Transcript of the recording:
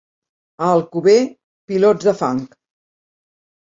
A Alcover, pilots de fang.